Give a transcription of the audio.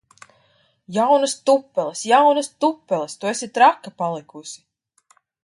Jaunas tupeles! Jaunas tupeles! Tu esi traka palikusi!